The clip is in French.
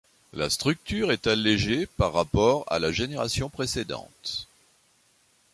La structure est allégée par rapport à la génération précédente.